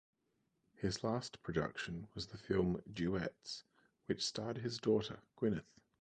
His last production was the film "Duets", which starred his daughter, Gwyneth.